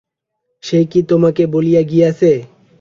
সে কি তোমাকে বলিয়া গিয়াছে।